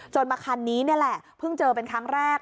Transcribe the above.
มาคันนี้นี่แหละเพิ่งเจอเป็นครั้งแรก